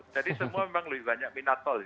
jadi semua memang lebih banyak minat tol